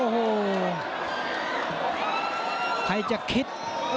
โอ้โหโอ้โหโอ้โหโอ้โห